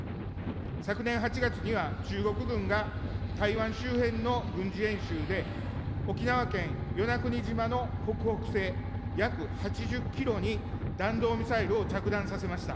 昨年８月には、中国軍が台湾周辺の軍事演習で、沖縄県与那国島の北北西約８０キロに弾道ミサイルを着弾させました。